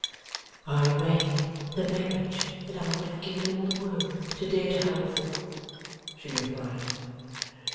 'I have made the marriage that I would have given all the world to dare to hope for,' she replied.